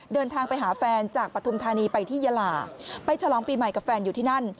เดินทางไปหาแฟนจากปฐุมธานีไปที่ยาลาไปฉลองปีใหม่กับแฟนอยู่ที่นั่น